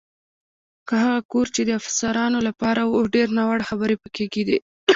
هغه کور چې د افسرانو لپاره و، ډېرې ناوړه خبرې پکې کېدې.